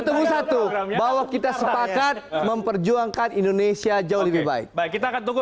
ketemu satu bahwa kita sepakat memperjuangkan indonesia jauh lebih baik kita akan tunggu